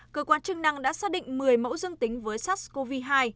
cơ quan chức năng đã xét định một mươi mẫu dân tính với sars cov hai